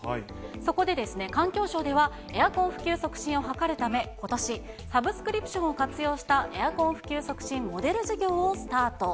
そこで、環境省では、エアコン普及促進を図るため、ことし、サブスクリプションを活用したエアコン普及促進モデル事業をスタート。